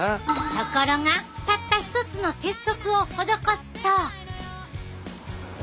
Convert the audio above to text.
ところがたった一つの鉄則を施すと。